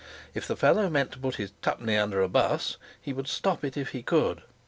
If the fellow meant to put his "twopenny" under a 'bus, he would stop it if he could!